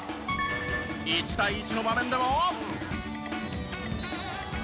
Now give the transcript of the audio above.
１対１の場面でも。